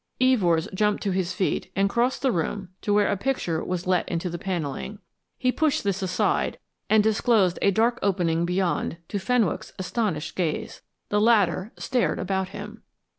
Evors jumped to his feet and crossed the room to where a picture was let into the panelling. He pushed this aside and disclosed a dark opening beyond to Fenwick's astonished gaze. The latter stared about him.